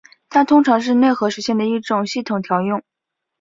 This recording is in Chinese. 它通常是内核实现的一种系统调用。